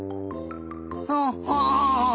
ほっほ。